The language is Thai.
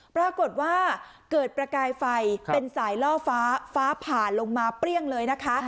ปรากฏว่าเกิดประกายไฟเป็นสายล่อฟ้าฟ้าผ่าลงมาเปรี้ยงเลยนะคะ